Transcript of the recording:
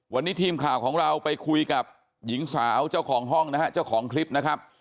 วันนี้ทีมข่าวของเราไปคุยกับหญิงสาวเจ้าของห้องนะฮะเจ้าของคลิปนะครับ